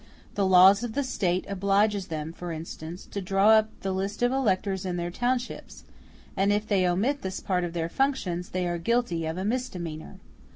The law of the State obliges them, for instance, to draw up the list of electors in their townships; and if they omit this part of their functions, they are guilty of a misdemeanor.